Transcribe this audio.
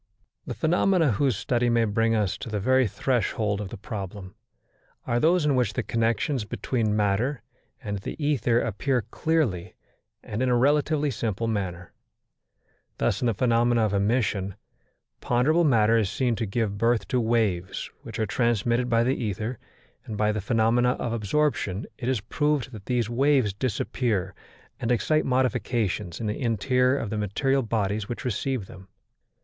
The phenomena whose study may bring us to the very threshold of the problem, are those in which the connections between matter and the ether appear clearly and in a relatively simple manner. Thus in the phenomena of emission, ponderable matter is seen to give birth to waves which are transmitted by the ether, and by the phenomena of absorption it is proved that these waves disappear and excite modifications in the interior of the material bodies which receive them.